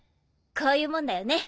こういうもんだよね。